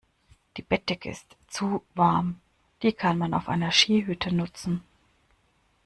Die Bettdecke ist zu warm. Die kann man auf einer Skihütte nutzen.